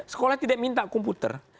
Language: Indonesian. sekolah tidak minta komputer